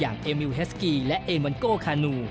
อย่างเอมิลเฮสกีและเอมอนโก้คานู